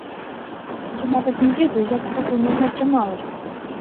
Я нават не ведаю, як гэта ў мяне атрымалася.